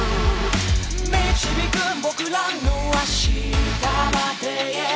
「導く僕らの明日まで」